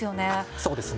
そうですね。